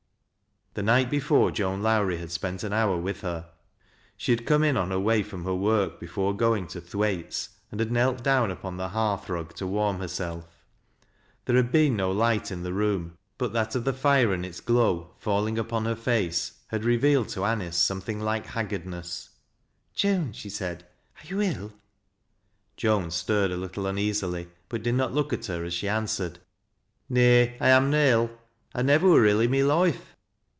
The night before Joan Lowrie had spent an hour with her. She had come in on her way from her work, before going to Thwaite's, and had knelt down upon the hearth rug to warm herself. There had been no light in the room but that of the iire, and its glow, falling upon hei face, had revealed to Anice something like haggardnees. " Joan," she said, " are you ill ?" Joan stirred a little uneasily, but did not look at her as she answered :" Ifay, I am na ill ; I nivver wur ill i' my loife."